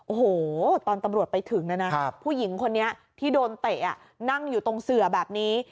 โอ้โหตอนตำรวจไปถึงนะนะผู้หญิงคนนี้ที่โดนเตะนั่งอยู่ตรงเสือแบบนี้